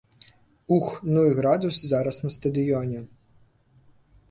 Ух, ну і градус зараз на стадыёне!